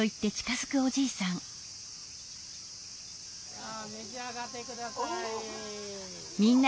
さあめし上がってください。